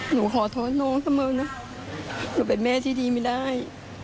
หนูขอโทษน้องเสมอนะหนูเป็นแม่ที่ดีไม่ได้